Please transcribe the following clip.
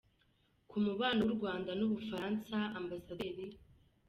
Ku mubano w’u Rwanda n’u Bufaransa, Amb.